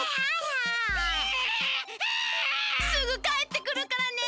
すぐかえってくるからね。